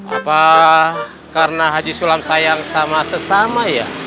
apa karena haji sulam sayang sama sesama ya